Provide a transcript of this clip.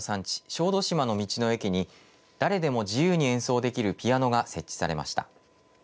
小豆島の道の駅に誰でも自由に演奏できるピアノが設置されました。